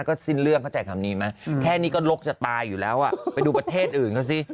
ก็สิ้นเรื่องเข้าใจคำนี้ไหมแค่นี้ก็ลกจะตายอยู่แล้วอ่ะไปดูประเทศอื่นเขาสิ